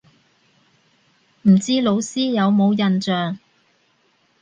唔知老師有冇印象